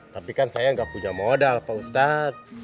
tapi kan saya nggak punya modal pak ustadz